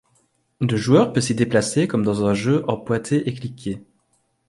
Le joueur peut s'y déplacer comme dans un jeu en pointer et cliquer.